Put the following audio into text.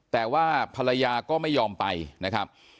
แต่ว่าภรรยาก็ไม่ยอมไปนะครับ